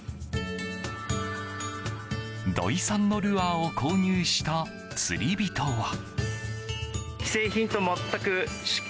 土井さんのルアーを購入した釣り人は。